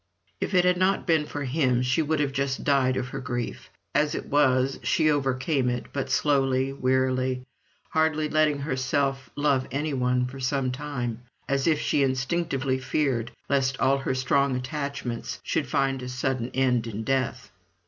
If it had not been for him she would have just died of her grief. As it was, she overcame it but slowly, wearily hardly letting herself love anyone for some time, as if she instinctively feared lest all her strong attachments should find a sudden end in death.